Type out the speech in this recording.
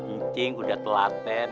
incing udah telaten